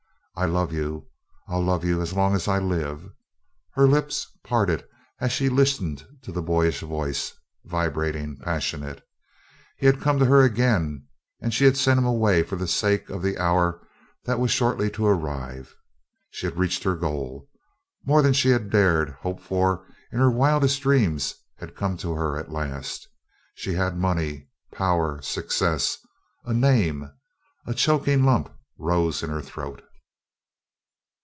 "I love you I'll love you as long as I live!" Her lips parted as she listened to the boyish voice vibrating, passionate. He had come to her again and she had sent him away for the sake of the hour that was shortly to arrive. She had reached her goal. More than she had dared hope for in her wildest dreams had come to her at last. She had money, power, success, a name. A choking lump rose in her throat.